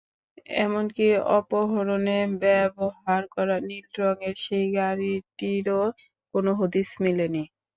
এমনকি অপহরণে ব্যবহার করা নীল রঙের সেই গাড়িটিরও কোনো হদিস মেলেনি।